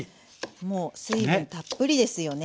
もう水分たっぷりですよね。